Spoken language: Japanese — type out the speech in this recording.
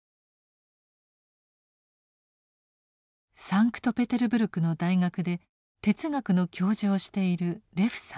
サンクトペテルブルクの大学で哲学の教授をしているレフさん。